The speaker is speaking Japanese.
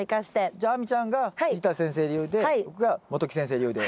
じゃあ亜美ちゃんが藤田先生流で僕が元木先生流で。